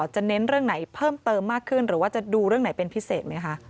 เน้นเรื่องไหนเพิ่มเติมมากขึ้นหรือว่าจะดูเรื่องไหนเป็นพิเศษไหมคะ